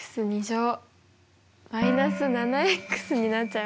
−７になっちゃいますね。